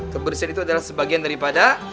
kebersihan itu adalah sebagian daripada